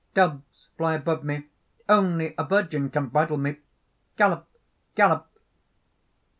Doves fly above me. Only a virgin can bridle me. "Gallop! Gallop!"